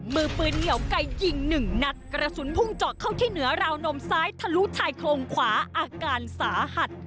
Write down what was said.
มือปืนเหนียวไก่ยิงหนึ่งนัดกระสุนพุ่งเจาะเข้าที่เหนือราวนมซ้ายทะลุชายโครงขวาอาการสาหัส